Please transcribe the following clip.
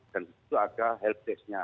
dan itu agak health testnya